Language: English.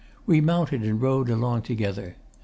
We mounted and rode along together.